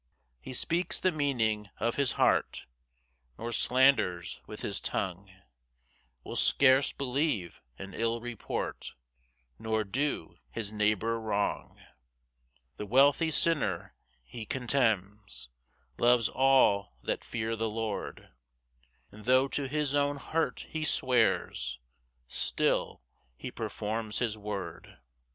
3 He speaks the meaning of his heart, Nor slanders with his tongue; Will scarce believe an ill report, Nor do his neighbour wrong. 4 The wealthy sinner he contemns, Loves all that fear the Lord: And tho' to his own hurt he swears, Still he performs his word.